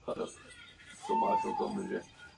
Československý reprezentant a trenér národního mužstva.